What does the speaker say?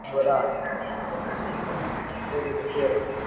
Tezi kufura